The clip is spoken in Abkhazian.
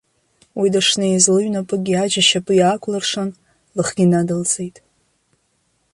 Уи дышнеиуаз лыҩнапыкгьы аџь ашьапы иаакәлыршан, лыхгьы надылҵеит.